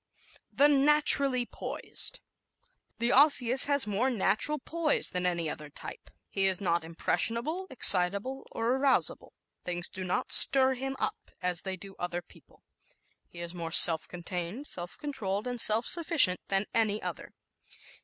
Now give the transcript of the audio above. The Naturally Poised ¶ The Osseous has more natural poise than any other type. He is not impressionable, excitable or arousable. Things do not "stir him up" as they do other people. He is more self contained, self controlled and self sufficient than any other.